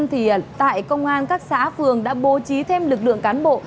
thì tại công an các xã phường đã bố trí thêm lực lượng cán bộ